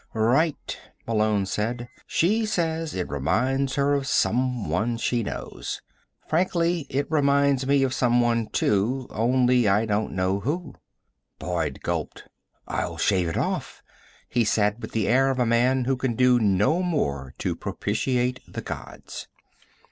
"Right," Malone said. "She says it reminds her of someone she knows. Frankly, it reminds me of someone, too. Only I don't know who." Boyd gulped. "I'll shave it off," he said, with the air of a man who can do no more to propitiate the Gods.